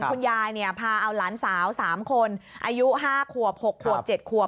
คุณยายพาเอาหลานสาว๓คนอายุ๕ขวบ๖ขวบ๗ขวบ